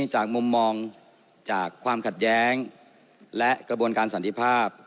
จากมุมมองจากความขัดแย้งและกระบวนการสันติภาพ